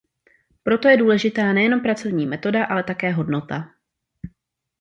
Proto je důležitá nejenom pracovní metoda, ale také hodnota.